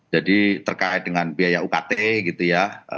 jadi terkait dengan biaya ukt gitu ya